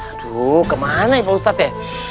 aduh kemana ya pak ustadz ya